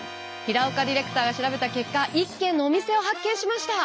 平岡ディレクターが調べた結果一軒のお店を発見しました。